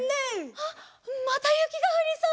あっまたゆきがふりそう！